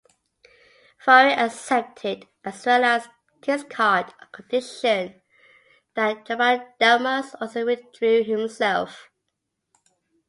Faure accepted, as well as Giscard on the condition that Chaban-Delmas also withdrew himself.